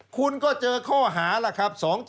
คุณก็เจอข้อหาล่ะครับ